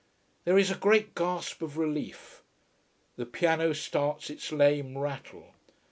There is a great gasp of relief. The piano starts its lame rattle.